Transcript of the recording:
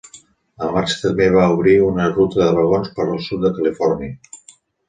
La marxa també va obrir una ruta de vagons per al sud de Califòrnia.